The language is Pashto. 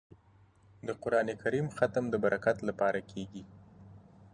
د قران کریم ختم د برکت لپاره کیږي.